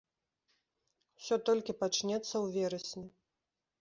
Усё толькі пачнецца ў верасні.